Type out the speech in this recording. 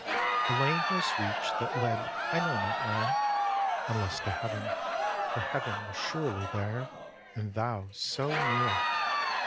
xiii. A lane was reached that led I know not where, Unless to Heaven, for Heaven was surely there And thou so near it!